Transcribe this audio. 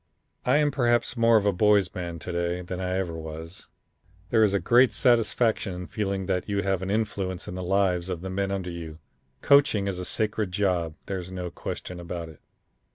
"I am perhaps more of a boy's man to day than I ever was. There is a great satisfaction in feeling that you have an influence in the lives of the men under you. Coaching is a sacred job. There's no question about it.